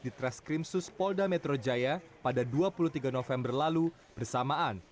di treskrimsus polda metro jaya pada dua puluh tiga november lalu bersamaan